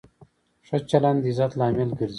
ښه چلند د عزت لامل ګرځي.